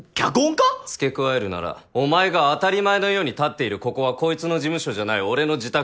つけ加えるならお前が当たり前のように立っているここはこいつの事務所じゃない俺の自宅だ。